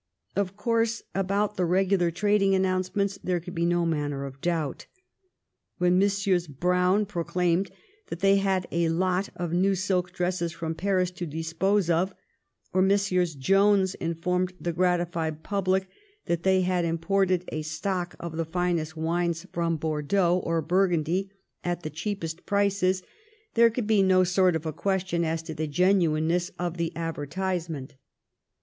Of course, about the regular trading announcements there could be no manner of doubt. When Messrs. Brown proclaimed that they had a lot of new silk dresses from Paris to dispose of, or Messrs. Jones informed the gratified public that they had im ported a stock of the finest wines from Bordeaux or Burgundy at the cheapest prices, there could be no sort of a question as to the genuineness of the advertisement.